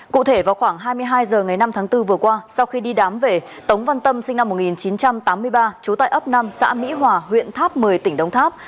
cụ thể vào khoảng hai mươi hai h ngày năm tháng bốn vừa qua sau khi đi đám về tống văn tâm sinh năm một nghìn chín trăm tám mươi ba trú tại ấp năm xã mỹ hòa huyện tháp một mươi tỉnh đông tháp